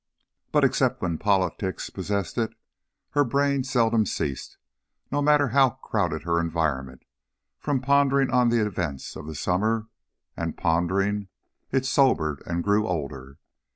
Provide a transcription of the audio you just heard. But, except when politics possessed it, her brain seldom ceased, no matter how crowded her environment, from pondering on the events of the summer, and pondering, it sobered and grew older.